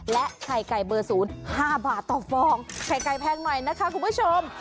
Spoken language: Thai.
และไข่ไก่เบอร์๐๕บาทต่อฟองไข่ไก่แพงหน่อยนะคะคุณผู้ชม